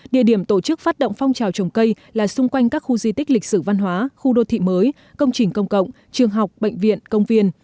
địa điểm tổ chức phát động phong trào trồng cây là xung quanh các khu di tích lịch sử văn hóa khu đô thị mới công trình công cộng trường học bệnh viện công viên